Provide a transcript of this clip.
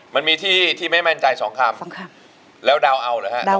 แต่ตอนนี้ตัดสินใจแล้วตัดสินใจแล้ว